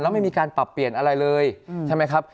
แล้วไม่มีการปรับเปลี่ยนอะไรเลยใช่ไหมครับ